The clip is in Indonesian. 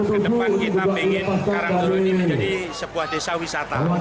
ke depan kita ingin karangdoro ini menjadi sebuah desa wisata